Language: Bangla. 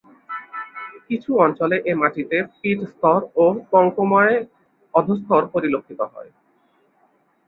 কিছু অঞ্চলে এ মাটিতে পিট স্তর ও পঙ্কময় অধঃস্তর পরিলক্ষিত হয়।